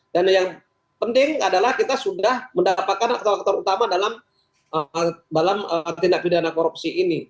dan yang penting adalah kita sudah mendapatkan aktor aktor utama dalam tindak pidana korupsi ini